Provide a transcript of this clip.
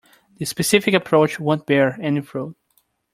This specific approach won't bear any fruit.